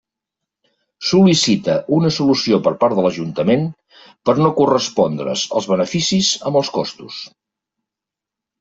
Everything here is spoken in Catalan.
Sol·licita una solució per part de l'Ajuntament per no correspondre's els beneficis amb els costos.